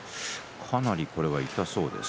かなりこれは痛そうです。